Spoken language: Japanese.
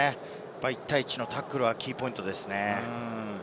１対１のタックルはキーポイントですね。